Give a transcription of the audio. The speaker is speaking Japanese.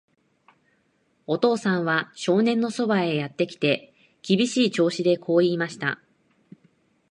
お父さんは少年のそばへやってきて、厳しい調子でこう言いました。